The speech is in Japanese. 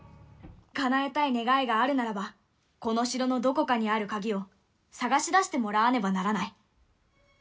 かなえたい願いがあるならばこの城のどこかにある鍵を探し出してもらわねばならない。